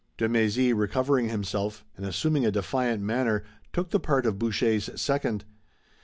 De Mézy recovering himself, and assuming a defiant manner, took the part of Boucher's second.